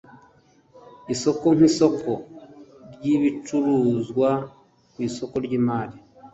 isoko nk isoko ry ibicuruzwa ku isoko ry imari